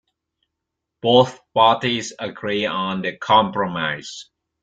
Both parties agree on the compromise.